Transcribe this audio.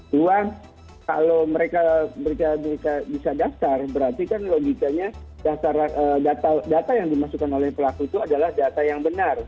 dua kalau mereka bisa daftar berarti kan logikanya data yang dimasukkan oleh pelaku itu adalah data yang benar